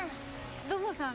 土門さん